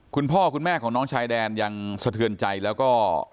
คุณพ่อคุณแม่ของน้องชายแดนยังสะเทือนใจแล้วก็